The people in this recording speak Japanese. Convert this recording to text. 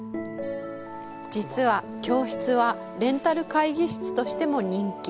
実は、教室はレンタル会議室としても人気。